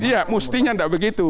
ya mestinya tidak begitu